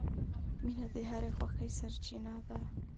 • مینه د هرې خوښۍ سرچینه ده.